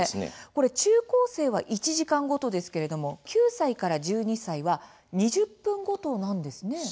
中高生は１時間ごとですが９歳から１２歳は２０分ごとなんですね。